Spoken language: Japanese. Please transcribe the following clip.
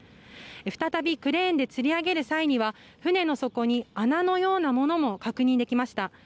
再びクレーンでつり上げる際には船の底に穴のようなものも確認できました。